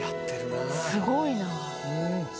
すごいな。